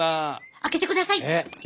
開けてください！